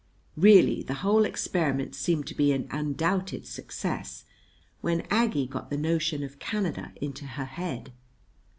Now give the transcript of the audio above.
] Really the whole experiment seemed to be an undoubted success, when Aggie got the notion of Canada into her head.